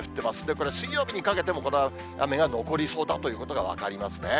これ、水曜日にかけても、この雨が残りそうだということが分かりますね。